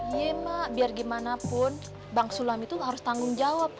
memang biar gimana pun bang sulam itu harus tanggung jawab